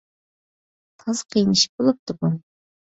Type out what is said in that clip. تازا قىيىن ئىش بولۇپتۇ بۇ!